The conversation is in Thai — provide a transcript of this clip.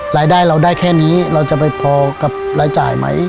รายได้เราได้แค่นี้เราจะไปพอกับรายจ่ายไหม